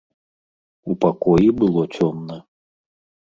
У пакоі было цёмна.